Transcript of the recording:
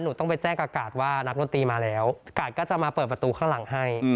หนูต้องไปแจ้งอากาศว่านักดนตรีมาแล้วกาดก็จะมาเปิดประตูข้างหลังให้